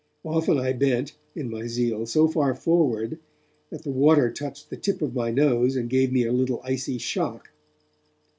Often I bent, in my zeal, so far forward that the water touched the tip of my nose and gave me a little icy shock.